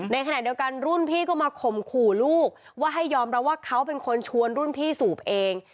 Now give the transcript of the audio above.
ในขณะเดียวกันรุ่นพี่ก็มาข่มขู่ลูกว่าให้ยอมรับว่าเขาเป็นคนชวนรุ่นพี่สูบเอง